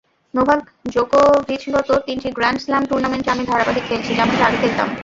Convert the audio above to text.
—Novak জোকোভিচগত তিনটি grand slam টুর্নামেন্টে আমি ধারাবাহিক খেলছি, যেমনটি আগে খেলতাম।